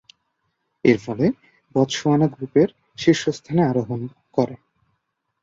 এরফলে, বতসোয়ানা গ্রুপের শীর্ষস্থানে আরোহণ করে।